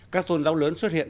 các tôn giáo lớn xuất hiện